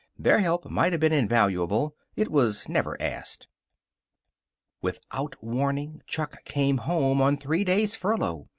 Their help might have been invaluable. It never was asked. Without warning, Chuck came home on three days' furlough.